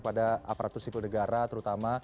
kepada aparatus sivil negara terutama